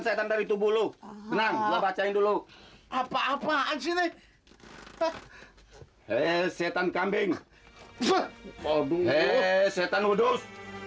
setan dari tubuh lu nangguh bacain dulu apa apaan sini eh setan kambing setan kudus